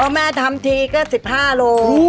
แม่ทำทีก็๑๕โล